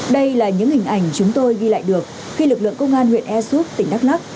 đây là những hình ảnh chúng tôi ghi lại được khi lực lượng công an huyện ea súp tỉnh đắk lắc